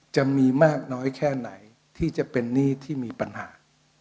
จะมีมากน้อยแค่ไหนที่จะเป็นหนี้ที่มีปัญหา